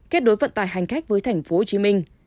kết đối vận tải hành khách với tp hcm